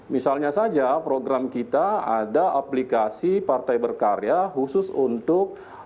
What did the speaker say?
misalnya saja program kita ada aplikasi partai berkarya khusus untuk